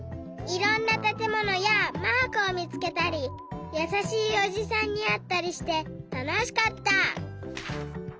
いろんなたてものやマークをみつけたりやさしいおじさんにあったりしてたのしかった！